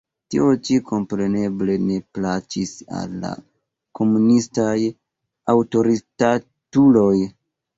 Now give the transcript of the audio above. Tio-ĉi, kompreneble, ne plaĉis al la komunistaj aŭtoritatuloj.